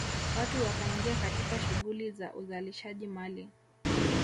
Watu wakaingia katika shughuli za uzalishaji mali